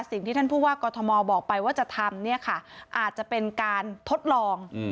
สิ่งที่ท่านผู้ว่ากอทมบอกไปว่าจะทำเนี่ยค่ะอาจจะเป็นการทดลอง